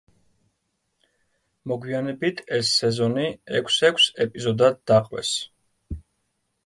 მოგვიანებით ეს სეზონი ექვს-ექვს ეპიზოდად დაყვეს.